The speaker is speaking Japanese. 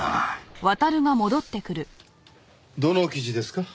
どの記事ですか？